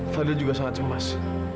fadil juga sangat cemas